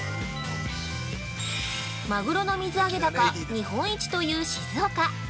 マグロの水揚げ高、日本一という静岡。